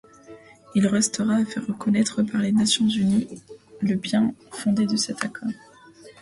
Il resterait à faire reconnaître par les Nations unies le bien-fondé de cet accord.